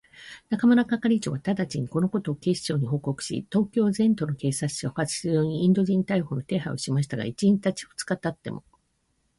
中村係長はただちに、このことを警視庁に報告し、東京全都の警察署、派出所にインド人逮捕の手配をしましたが、一日たち二日たっても、